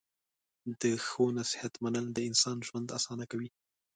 د ښو نصیحت منل د انسان ژوند اسانه کوي.